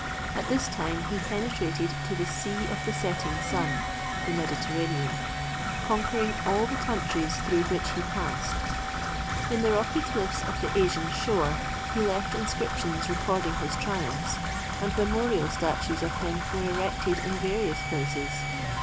At this time he penetrated to the "Sea of the setting Sun"—the Mediterranean—conquering all the countries through which he passed. In the rocky cliffs of the Asian shore he left inscriptions recording his triumphs, and memorial statues of him were erected in various places.